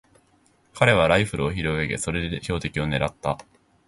彼はライフルを拾い上げ、それで標的をねらった。